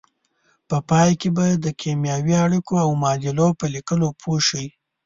په پای کې به د کیمیاوي اړیکو او معادلو په لیکلو پوه شئ.